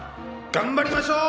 頑張りましょう！